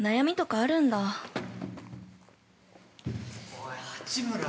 ◆おい、八村！